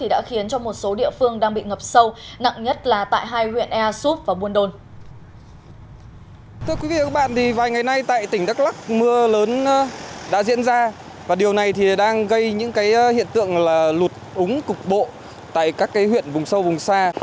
đã khiến một số địa phương đang bị ngập sâu nặng nhất là tại hai huyện ea súp và buôn đôn